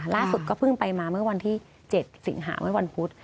ล่าสุดก็เพิ่งไปมาเมื่อวันที่๗สิงหาเมื่อวันพุธ